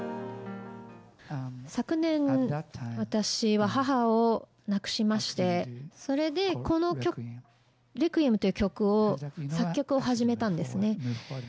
昨年、私は母を亡くしまして、それでこのＲｅｑｕｉｅｍという曲を、作曲を始めたんですね。